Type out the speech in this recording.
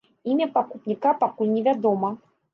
Імя пакупніка пакуль не вядома.